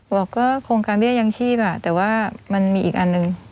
บอกก็โครงการเบี้ยยังชีพแต่ว่ามันมีอีกอันหนึ่ง